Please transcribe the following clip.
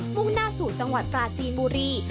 ่งหน้าสู่จังหวัดปราจีนบุรี